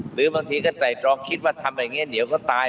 หรือบางทีก็ไต่ตรองคิดว่าทำอะไรอย่างนี้เดี๋ยวก็ตาย